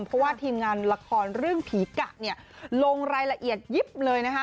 เพราะว่าทีมงานละครเรื่องผีกะเนี่ยลงรายละเอียดยิบเลยนะคะ